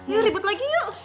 yuk ribet lagi yuk